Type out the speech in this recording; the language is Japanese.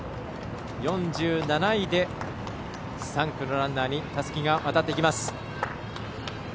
４７位で３区のランナーにたすきが渡ってきます。